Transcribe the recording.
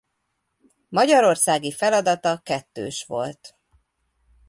Magyarországi feladata kettős volt.